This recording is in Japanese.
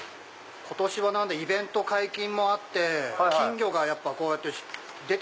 今年はイベント解禁もあって金魚が出てくようになって。